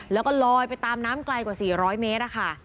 แล้วก็ลอยไปตามน้ำไกลกว่า๔๐๐เมตรค่ะ